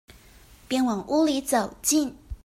便往屋裡走進